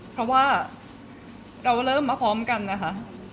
เพราะว่าเราเริ่มมาพร้อมกันนะคะ